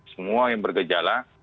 semua yang bergejala